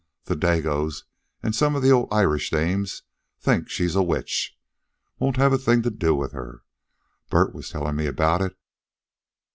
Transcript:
The Dagoes an' some of the old Irish dames thinks she's a witch. Won't have a thing to do with her. Bert was tellin' me about it.